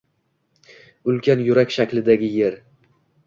Ulkan yurak shaklidagi Yer…